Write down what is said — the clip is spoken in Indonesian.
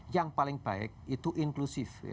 yang paling baik itu inklusif